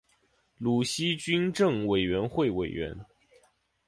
鲁西军政委员会委员。